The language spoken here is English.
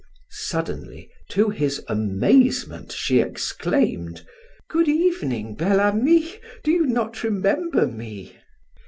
Suddenly to his amazement, she exclaimed: "Good evening, Bel Ami; do you not remember me?"